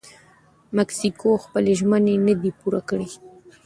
مکسیکو خپلې ژمنې نه دي پوره کړي.